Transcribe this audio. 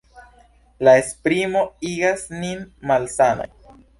La esprimo igas nin malsanaj.